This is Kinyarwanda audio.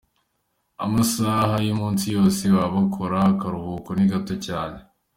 Amasaha y’umunsi yose baba bakora, akaruhuko ni gato cyane.